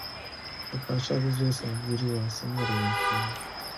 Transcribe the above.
د پاچا د زوی سنت ګیری وه سندرې ویل کیدې.